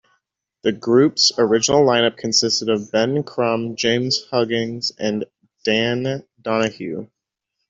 The group's original lineup consisted of Ben Crum, James Huggins and Dan Donahue.